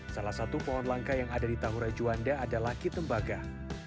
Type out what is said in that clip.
salah satu pohon langka yang ada di tahura juanda adalah kitembagah